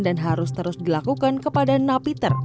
dan harus terus dilakukan kepada napi ter